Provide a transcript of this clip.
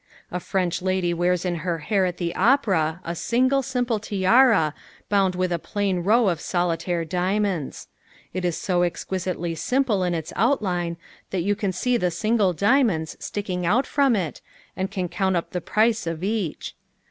A French lady wears in her hair at the Opera a single, simple tiara bound with a plain row of solitaire diamonds. It is so exquisitely simple in its outline that you can see the single diamonds sticking out from it and can count up the price of each.